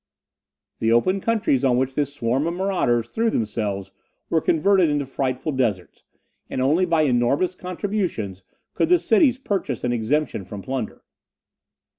The open countries on which this swarm of maurauders threw themselves were converted into frightful deserts, and only by enormous contributions could the cities purchase an exemption from plunder.